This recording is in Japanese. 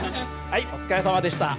はいお疲れさまでした。